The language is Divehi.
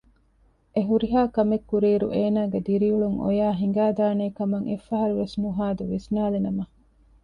އެހުރިހާ ކެމެއްކުރިއިރު އޭނާގެ ދިރިއުޅުން އޮޔާ ހިނގައިދާނޭކަމަށް އެއްފަހަރުވެސް ނުހާދު ވިސްނާލިނަމަ